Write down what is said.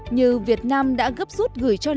như việt nam đã gấp rút gửi cho lào